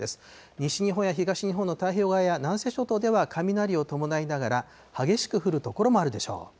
西日本や東日本の太平洋側や南西諸島では雷を伴いながら、激しく降る所もあるでしょう。